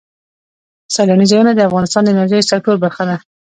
سیلاني ځایونه د افغانستان د انرژۍ سکتور برخه ده.